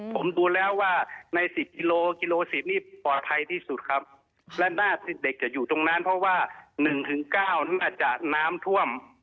ผมดูแล้วว่าในสิบกิโลกิโลสิบนี่ปลอดภัยที่สุดครับและหน้าที่เด็กจะอยู่ตรงนั้นเพราะว่าหนึ่งถึงเก้านั้นอาจจะน้ำท่วม